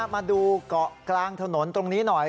มาดูเกาะกลางถนนตรงนี้หน่อย